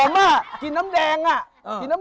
ผมกินน้ำแดงอ่ะ